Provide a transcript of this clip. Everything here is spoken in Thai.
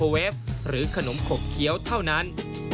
เวฟหรือขนมขบเคี้ยวเท่านั้น